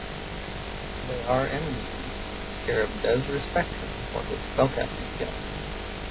Though they are enemies, Scarab does respect him for his spellcasting skills.